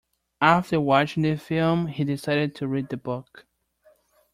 After watching the film, he decided to read the book.